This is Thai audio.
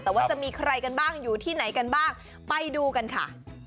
แต่ว่าจะมีใครกันบ้างอยู่ที่ไหนกันบ้างไปดูกันค่ะ